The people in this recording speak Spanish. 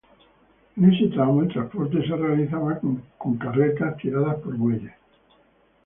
En ese tramo el transporte se realizaba con carretas tiradas por bueyes.